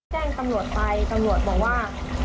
แจ้งตำรวจไปตำรวจบอกว่า